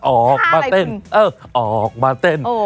ออกมาในะนี่ออกมาเต้น